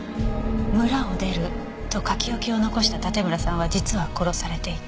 「村を出る」と書き置きを残した盾村さんは実は殺されていた。